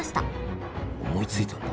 思いついたんだ。